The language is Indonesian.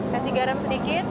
kasih garam sedikit